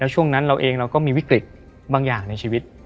ช่วงนั้นเราเองเราก็มีวิกฤตบางอย่างในชีวิต